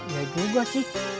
ya juga sih